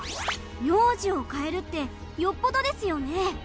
名字を変えるってよっぽどですよね。